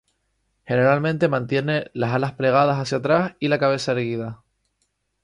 Generalmente mantiene las alas plegadas hacia atrás y la cabeza erguida.